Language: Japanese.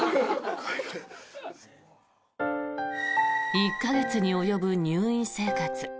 １か月に及ぶ入院生活。